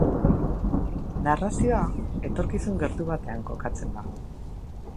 Narrazioa etorkizun gertu batean kokatzen da.